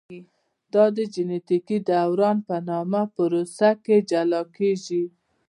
دا د جینټیکي دوران په نامه پروسه کې جلا کېږي.